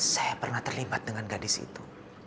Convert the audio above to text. saya pernah terlibat dengan gadis itu